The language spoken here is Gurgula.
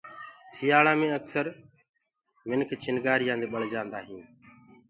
سيآݪآ مي اڪسر چِڻگي دي منک بݪجآندآ هين۔